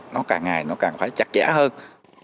nó càng ngày nó càng phải chặt chẽ hơn